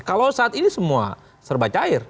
kalau saat ini semua serba cair